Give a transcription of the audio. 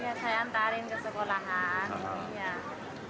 ya saya antarin ke sekolahan